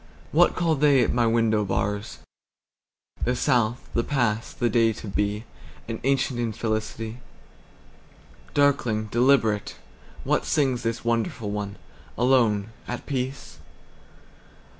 What call they at my window bars? The South, the past, the day to be, An ancient infelicity. Darkling, deliberate, what singsThis wonderful one, alone, at peace?